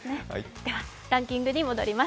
ではランキングに戻ります。